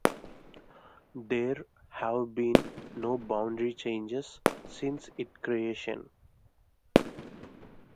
There have been no boundary changes since its creation.